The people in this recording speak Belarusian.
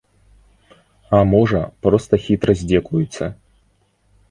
А можа, проста хітра здзекуюцца.